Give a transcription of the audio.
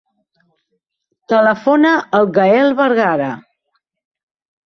Telefona al Gaël Vergara.